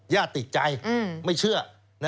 ญาติติดใจไม่เชื่อ